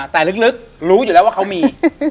แต่ลึกรู้อยู่แล้วว่าเขามี